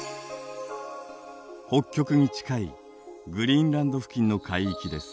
北極に近いグリーンランド付近の海域です。